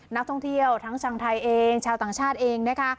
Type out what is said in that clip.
นักท่องเที่ยวทั้งชาวไทยเองชาวต่างชาติเองนะคะ